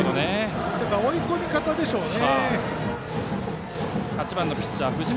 だから追い込み方でしょうね。